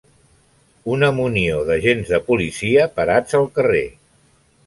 Una munió d'agents de policia parats al carrer.